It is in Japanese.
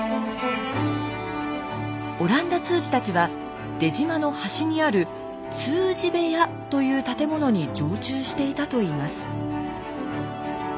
阿蘭陀通詞たちは出島の端にある「通詞部屋」という建物に常駐していたといいます。